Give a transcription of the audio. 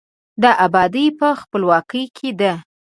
د آبادي په، خپلواکۍ کې ده.